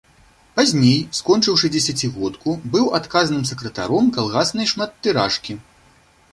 Пазней, скончыўшы дзесяцігодку, быў адказным сакратаром калгаснай шматтыражкі.